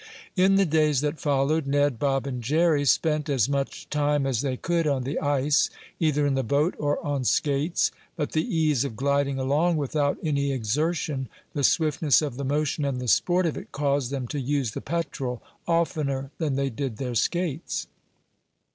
In the days that followed Ned, Bob and Jerry spent as much time as they could on the ice, either in the boat or on skates. But the ease of gliding along without any exertion, the swiftness of the motion and the sport of it caused them to use the Petrel oftener than they did their skates.